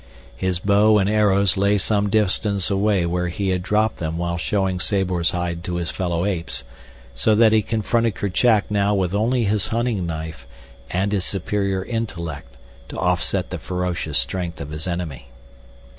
His bow and arrows lay some distance away where he had dropped them while showing Sabor's hide to his fellow apes, so that he confronted Kerchak now with only his hunting knife and his superior intellect to offset the ferocious strength of his enemy.